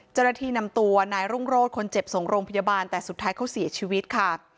เจ้าหน้าที่นำตัวนายรุ่งโรธคนเจ็บส่งโรงพยาบาลแต่สุดท้ายเขาเสียชีวิตค่ะ